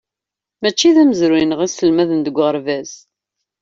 Mačči d amezruy-nneɣ i sselmaden deg uɣerbaz.